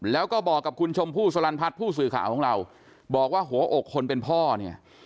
แล้วก็บอกกับคุณชมพู่สลันพัฒน์ผู้สื่อข่าวของเราบอกว่าหัวอกคนเป็นพ่อเนี่ย